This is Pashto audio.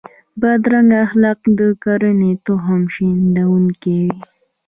بدرنګه اخلاق د کرکې تخم شندونکي وي